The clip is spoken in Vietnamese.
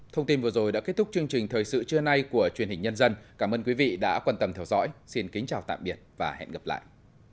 thông tin vừa rồi đã kết thúc chương trình thời sự trưa nay của truyền hình nhân dân cảm ơn quý vị đã quan tâm theo dõi xin kính chào tạm biệt và hẹn gặp lại